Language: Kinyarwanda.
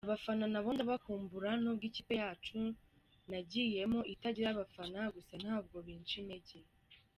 Abafana nabo ndabakumbura n’ubwo ikipe yacu nagiyemo itagira abafana, gusa ntabwo binsha intege.